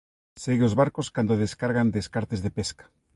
Segue os barcos cando descargan descartes de pesca.